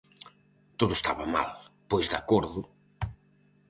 Todo estaba mal, pois de acordo!